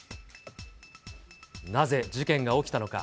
なぜ事件が起きたのか。